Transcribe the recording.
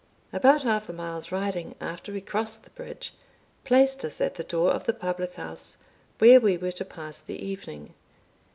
About half a mile's riding, after we crossed the bridge, placed us at the door of the public house where we were to pass the evening.